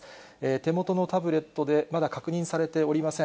手元のタブレットでまだ確認されておりません。